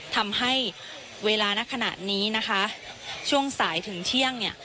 ทำให้เวลานักขนาดนี้นะคะช่วงสายถึงเที่ยงเนี่ย